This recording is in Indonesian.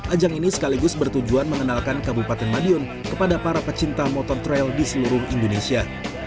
ajang ini sekaligus bertujuan mengenalkan kabupaten madiun kepada para pecinta motor trail di seluruh indonesia